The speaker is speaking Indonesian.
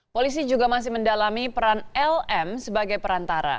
polisi juga masih mendalami peran lm sebagai perantara